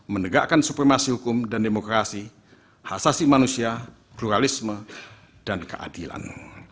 menegakkan supremasi hukum dan demokrasi hak asasi manusia pluralisme dan keadilan